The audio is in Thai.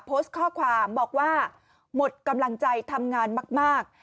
โพสต์ข้อความบอกว่าหมดกำลังใจทำงานมาก